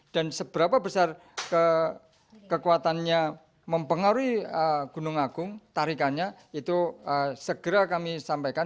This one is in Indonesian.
dan seberapa besar kekuatannya mempengaruhi gunung agung tarikannya itu segera kami sampaikan